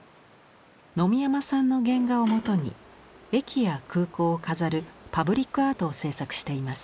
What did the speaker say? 野見山さんの原画をもとに駅や空港を飾るパブリックアートを制作しています。